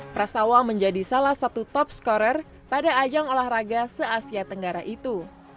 pras tawa menjadi salah satu top scorer pada ajang olahraga se asia tenggara itu